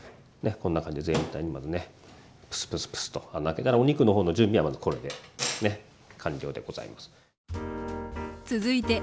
こんな感じで全体にまずねプスプスプスと穴開けたらお肉の方の準備はまずこれでねっ完了でございます。